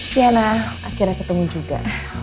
sienna akhirnya ketemu juga